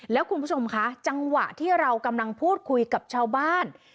แล้วคุณผู้ชมคะจังหวะที่เรากำลังพูดคุยกับชาวบ้าน